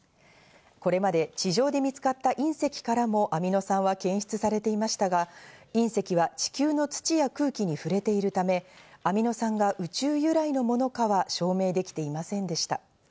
これまで地上で見つかった隕石からもアミノ酸は検出されていましたが、隕石は地球の土や空気に触れているため、アミノ酸が宇宙由来のものかは証明できていませんでした。